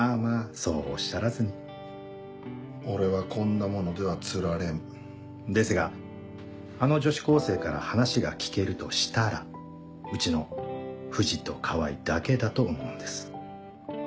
そうおっしゃらずに俺はこんなものでは釣られんですがあの女子高生から話が聞けるとしたらうちの藤と川合だけだと思うんです